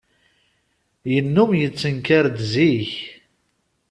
Yennum yettenkar-d zik.